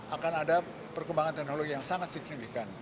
akan ada perkembangan teknologi yang sangat signifikan